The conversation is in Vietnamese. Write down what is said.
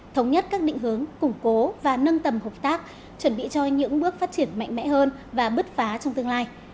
thống nhất các định hướng củng cố và nâng tầm hợp tác chuẩn bị cho những bước phát triển mạnh mẽ hơn và bứt phá trong tương lai